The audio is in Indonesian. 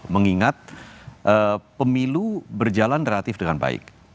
mengingat pemilu berjalan relatif dengan baik